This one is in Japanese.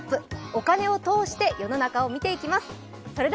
お金を通して世の中を見ていきます。